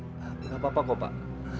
tidak apa apa kok pak